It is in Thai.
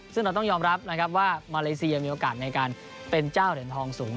ซึ่งเราต้องยอมรับนะครับว่ามาเลเซียมีโอกาสในการเป็นเจ้าเหรียญทองสูง